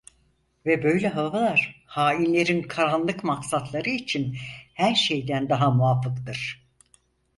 Ve böyle havalar hainlerin karanlık maksatları için her şeyden daha muvafıktır.